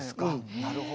なるほど。